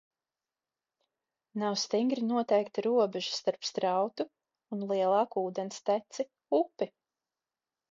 Nav stingri noteikta robeža starp strautu un lielāku ūdensteci – upi.